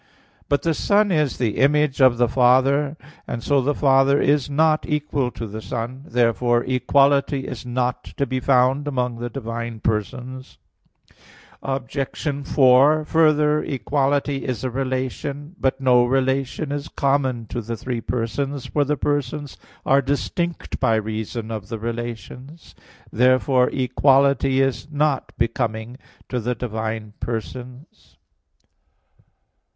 But the Son is the image of the Father; and so the Father is not equal to the Son. Therefore equality is not to be found among the divine persons. Obj. 4: Further, equality is a relation. But no relation is common to the three persons; for the persons are distinct by reason of the relations. Therefore equality is not becoming to the divine persons.